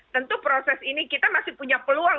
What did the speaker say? tentu proses ini kita masih punya peluang